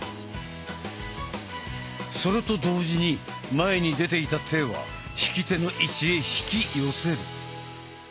それと同時に前に出ていた手は引き手の位置へ引き寄せる。